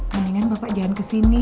mendingan bapak jangan kesini